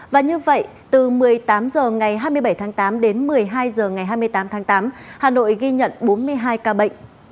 và như vậy từ một mươi tám h ngày hai mươi bảy tháng tám đến một mươi hai h ngày hai mươi tám tháng tám hà nội ghi nhận bốn mươi hai ca bệnh